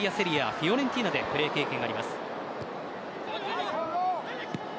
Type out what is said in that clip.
フィオレンティーナでプレー経験があります。